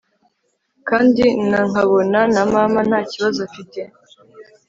kandi na nkabona na mama ntakibazo afite